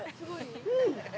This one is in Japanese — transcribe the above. うん！